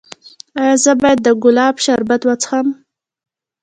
ایا زه باید د ګلاب شربت وڅښم؟